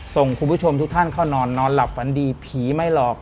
ส่งคุณผู้ชมทุกท่านเข้านอนนอนหลับฝันดีผีไม่หลอก